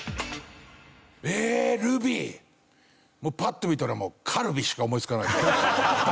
もうパッと見たらもう「カルビ」しか思いつかないけどな。